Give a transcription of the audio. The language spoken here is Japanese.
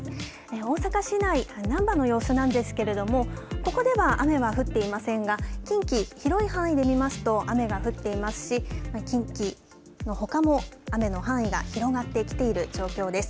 大阪市内、なんばの様子なんですけれどもここでは雨は降っていませんが近畿、広い範囲で見ますと雨が降っていますし近畿のほかも雨の範囲が広がってきている状況です。